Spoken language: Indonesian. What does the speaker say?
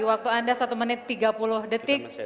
waktu anda satu menit tiga puluh detik